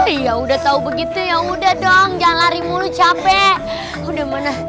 iya udah tau begitu yaudah dong jangan lari mulu capek udah mana